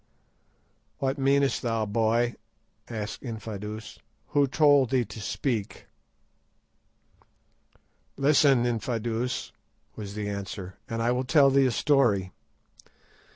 "What meanest thou, boy?" asked Infadoos; "who told thee to speak?" "Listen, Infadoos," was the answer, "and I will tell thee a story.